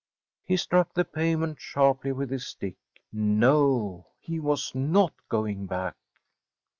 He struck the pavement sharply with his stick. No, he was not going back.